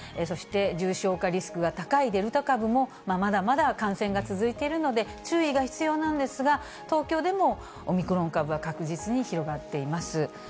そして重症化リスクが高いデルタ株も、まだまだ感染が続いているので、注意が必要なんですが、東京でもオミクロン株は確実に広がっています。